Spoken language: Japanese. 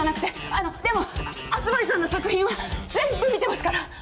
あのでも熱護さんの作品は全部見てますから！